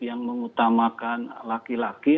yang mengutamakan laki laki